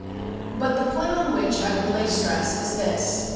But the point on which I would lay stress is this.